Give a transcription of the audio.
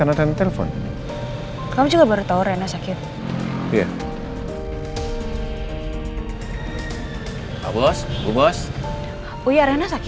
papa cek dulu ya nak